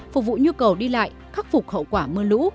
phục vụ nhu cầu đi lại khắc phục hậu quả mưa lũ